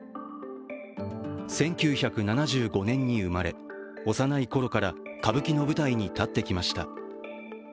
１９７５年に生まれ、幼いころから歌舞伎の舞台に立ってきました。